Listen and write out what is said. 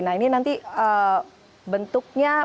nah ini nanti bentuknya